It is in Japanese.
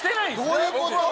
どどういうこと？